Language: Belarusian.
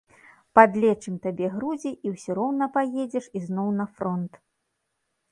Падлечым табе грудзі і ўсё роўна паедзеш ізноў на фронт.